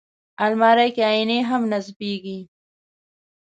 الماري کې آیینې هم نصبېږي